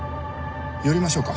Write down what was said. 寄りましょうか。